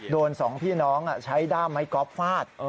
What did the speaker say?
สองพี่น้องใช้ด้ามไม้ก๊อฟฟาด